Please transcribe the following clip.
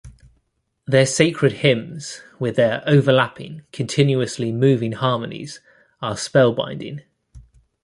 Their sacred hymns with their overlapping, continuously moving harmonies are spellbinding.